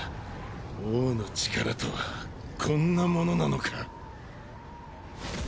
王の力とはこんなものなのか？